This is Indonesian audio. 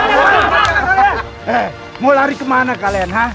eh mau lari ke mana kalian